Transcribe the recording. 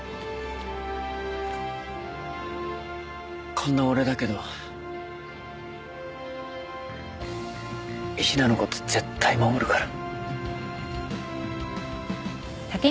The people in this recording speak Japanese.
こんな俺だけどヒナのこと絶対守るから。